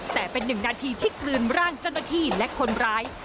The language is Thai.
แต่เป็นหนึ่งนาทีที่กลืนร่างเจ้าหน้าที่และคนร้าย